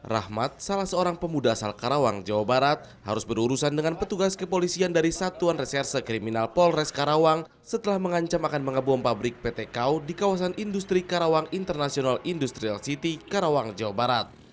rahmat salah seorang pemuda asal karawang jawa barat harus berurusan dengan petugas kepolisian dari satuan reserse kriminal polres karawang setelah mengancam akan mengebom pabrik pt kau di kawasan industri karawang international industrial city karawang jawa barat